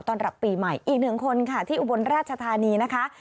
รับปีใหม่อีกหนึ่งคนค่ะที่อุบลราชธานีนะคะ